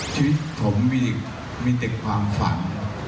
ชีวิตผมมีแต่ความฝัน